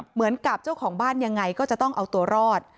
เหมือนกับเจ้าของบ้านยังไงก็จะต้องเอาตัวรอด